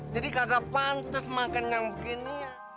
jadi kakak pantas makan yang begini